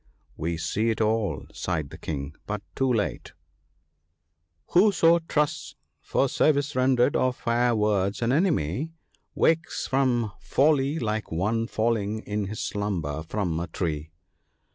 ' We see it all,' sighed the King, but too late !'—" Whoso trusts, for service rendered, or fair words, an enemy, Wakes from folly like one falling in his slumber from a tree."